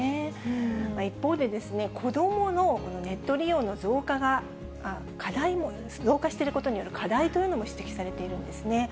一方でですね、子どものネット利用の増加していることによる課題というのも指摘されているんですね。